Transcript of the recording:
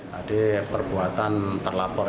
tadi perbuatan terlapor